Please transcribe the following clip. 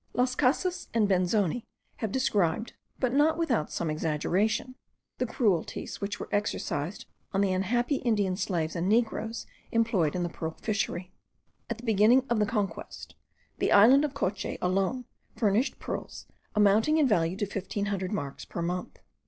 Las Casas and Benzoni have described, but not without some exaggeration, the cruelties which were exercised on the unhappy Indian slaves and negroes employed in the pearl fishery. At the beginning of the conquest the island of Coche alone furnished pearls amounting in value to fifteen hundred marks per month.